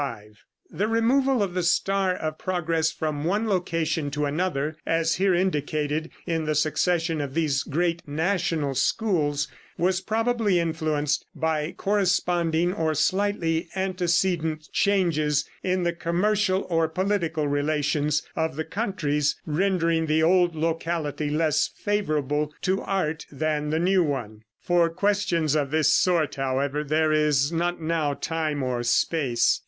The removal of the star of progress from one location to another, as here indicated in the succession of these great national schools, was probably influenced by corresponding or slightly antecedent changes in the commercial or political relations of the countries, rendering the old locality less favorable to art than the new one. For questions of this sort, however, there is not now time or space.